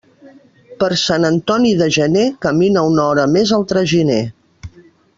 Per Sant Antoni de gener camina una hora més el traginer.